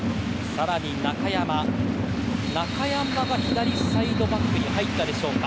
更に、中山が左サイドバックに入ったでしょうか。